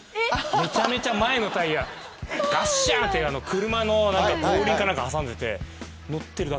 めちゃめちゃ前のタイヤガッシャンって車の後輪か何かに挟んでて。